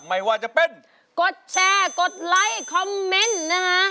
ไม่ว่าจะเป็นกดแชร์กดไลค์คอมเมนต์นะฮะ